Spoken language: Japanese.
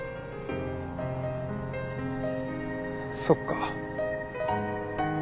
そっか。